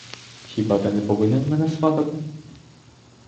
Хіба ти не повинен мене сватати?